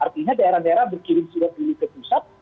artinya daerah daerah berkirim surat ini ke pusat